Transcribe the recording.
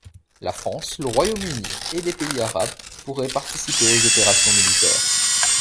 La France, le Royaume-Uni et des pays arabes pourraient participer aux opérations militaires.